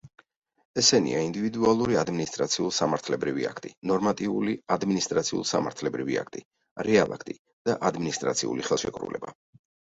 ესენია: ინდივიდუალური ადმინისტრაციულ-სამართლებრივი აქტი, ნორმატიული ადმინისტრაციულ-სამართლებრივი აქტი, რეალაქტი და ადმინისტრაციული ხელშეკრულება.